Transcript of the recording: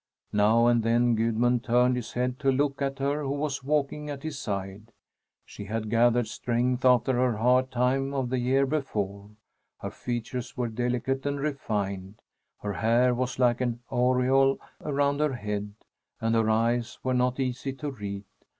Now and then Gudmund turned his head to look at her who was walking at his side. She had gathered strength after her hard time of the year before. Her features were delicate and refined; her hair was like an aureole around her head, and her eyes were not easy to read.